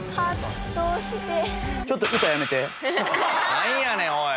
なんやねんおい！